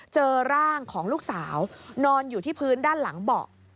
เจอร่างของลูกสาวนอนอยู่ที่พื้นด้านหลังเบาะ